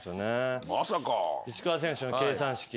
石川選手の計算式